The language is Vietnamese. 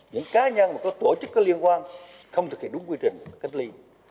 những cá nhân và có tổ chức có liên quan không thực hiện đúng quy trình cách ly